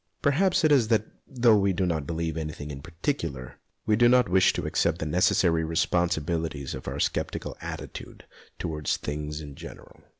Perhaps it is that, though we do not believe in anything in particular, we do not wish to accept the necessary responsibilities of our sceptical attitude towards things in general.